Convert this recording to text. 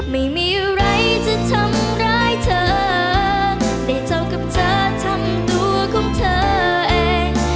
ไม่มีอะไรจะทำร้ายเธอแต่เท่ากับเธอทั้งตัวของเธอเอง